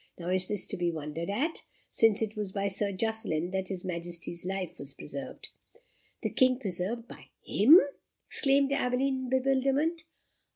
Nor is this to be wondered at, since it was by Sir Jocelyn that his Majesty's life was preserved." "The King preserved by him!" exclaimed Aveline, in bewilderment.